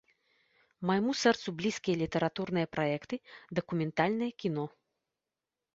Майму сэрцу блізкія літаратурныя праекты, дакументальнае кіно.